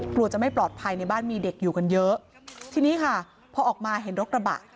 กลัวจะไม่ปลอดภัยในบ้านมีเด็กอยู่กันเยอะทีนี้ค่ะพอออกมาเห็นรถกระบะ